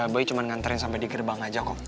boy cuma nganterin sampe di gerbang aja kok